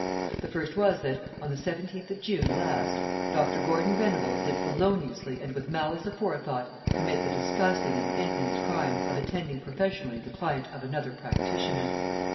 The first was that, "on the 17th of June last, Dr. Gordon Venables did feloniously and with malice aforethought commit the disgusting and infamous crime of attending professionally the client of another practitioner."